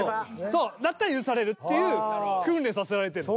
そうだったら許されるっていう訓練させられてんの。